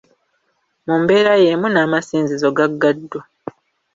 Mu mbeera y'emu n’amasinzizo gaggaddwa.